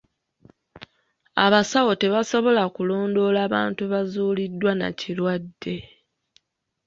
Abasawo tebasobola kulondoola bantu bazuuliddwa na kirwadde.